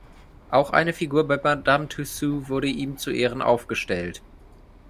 Auch eine Figur bei Madame Tussauds wurde ihm zu Ehren aufgestellt.